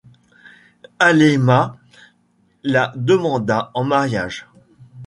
Aleimma la demanda en mariage.